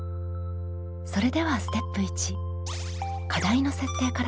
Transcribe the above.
それではステップ１課題の設定からスタート。